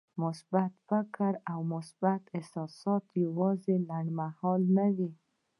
مثبت فکر او مثبت احساسات يوازې لنډمهاله نه وي.